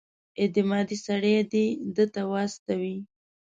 اعتمادي سړی دې ده ته واستوي.